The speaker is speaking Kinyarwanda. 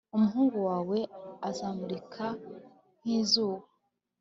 umuhungu wawe azamurika nkizuba